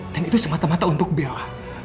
dan itu semata mata untuk bella